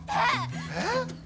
えっ？